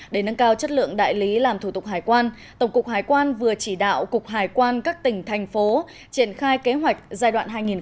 để nâng cao chất lượng đại lý làm thủ tục hải quan tổng cục hải quan vừa chỉ đạo cục hải quan các tỉnh thành phố triển khai kế hoạch giai đoạn hai nghìn hai mươi hai hai nghìn hai mươi